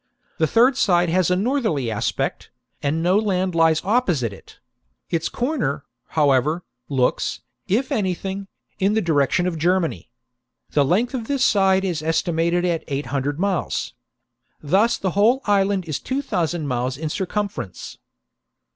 The third side has a northerly aspect, and no land lies opposite it ; its corner, however, looks, if anything, in the direction of Germany. The length of this side is estimated at eight hundred miles. Thus the whole island is two thousand miles in circumference.